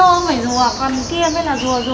bọn chúng chơi chơi đơn danh nhiên